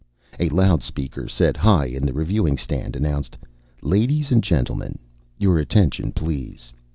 A loudspeaker set high in the reviewing stand announced, "Ladies and gentlemen, your attention please!